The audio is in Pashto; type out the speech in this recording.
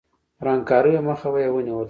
ورانکاریو مخه به یې ونیول شي.